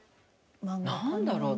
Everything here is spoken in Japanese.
何だろう。